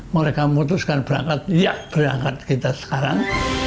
mereka memutuskan berangkat ya berangkat kita sekarang